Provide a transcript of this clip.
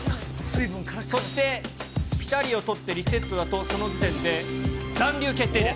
そして、ピタリを取って、リセットだと、その時点で残留決定です。